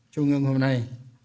trung ương hôm nay